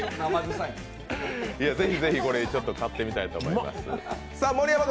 ぜひぜひこれ、買ってみたいと思います。